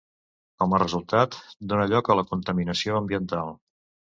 Com a resultat, dona lloc a la contaminació ambiental.